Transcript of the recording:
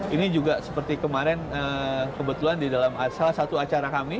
ini juga seperti kemarin kebetulan di dalam salah satu acara kami